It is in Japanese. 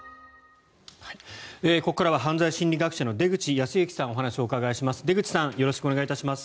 ここからは犯罪心理学者の出口保行さんにお話をお伺いします。